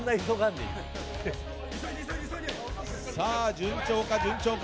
順調か順調か。